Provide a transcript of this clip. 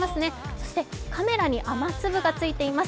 そしてカメラに雨粒がついています。